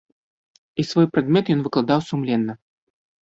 І свой прадмет ён выкладаў сумленна.